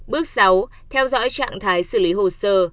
bước sáu theo dõi trạng thái xử lý hồ sơ